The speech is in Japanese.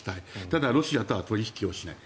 ただ、ロシアとは取引はしない。